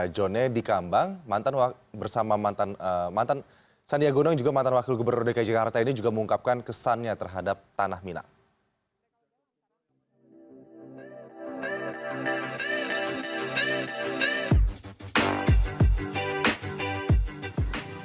joneddy kambang bersama sandiaga uno yang juga mantan wakil gubernur dki jakarta ini juga mengungkapkan kesannya terhadap tanah minang